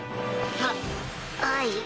ははい。